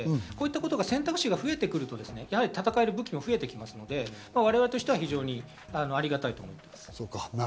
こういったことが、選択肢が増えてくると、戦える武器も増えてきますので我々としてはありがたいと思います。